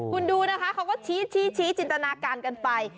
คุณดูนะคะเขาก็ชี้จินตนาการกันไป